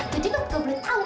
lu nggak boleh tahu